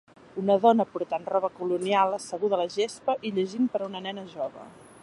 Un dona portant roba colonial asseguda a la gespa i llegint per a una nena jove.